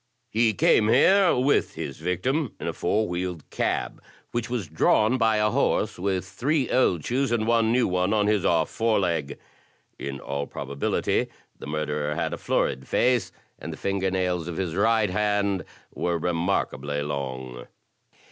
He came here with his victim in a four wheeled cab, which was drawn by a horse with three old shoes and one new one on his off fore leg. In all probability the murderer had a florid face, and the finger nails of his right hand were remarkably long."